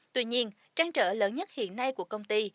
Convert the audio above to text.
tuy nhiên trăn trở lớn nhất hiện nay của công ty